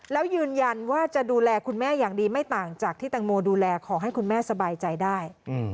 แล้วยืนยันว่าจะดูแลคุณแม่อย่างดีไม่ต่างจากที่แตงโมดูแลขอให้คุณแม่สบายใจได้